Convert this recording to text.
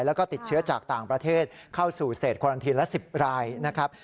แล้วก็ติดเชื้อจากต่างประเทศเข้าสู่เศษคอลันทีนละ๑๐รายนะครับ